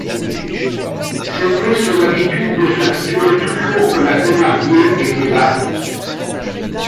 C'était son habitude de se figurer toujours que la Thénardier était là.